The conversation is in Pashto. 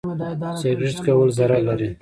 سګرټ څکول ضرر لري.